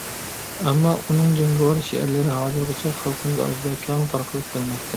ئەمما، ئۇنىڭ جەڭگىۋار شېئىرلىرى، ھازىرغىچە خەلقىمىز ئارىسىدا كەڭ تارقىلىپ كەلمەكتە.